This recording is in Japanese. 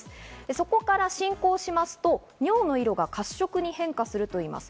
そこから進行しますと、尿の色は褐色に変化するといいます。